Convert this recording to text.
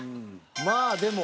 まあでも。